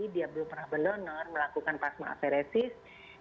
dia belum pernah berdonor melakukan plasma aferesis